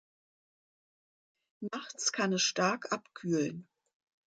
Nachts kann es stark abkühlen.